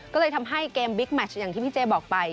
ก็เลยทำให้เกมบิ๊กแมชอย่างที่พี่เจบอกไป